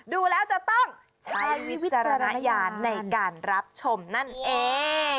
ดูแล้วจะต้องใช้วิจารณญาณในการรับชมนั่นเอง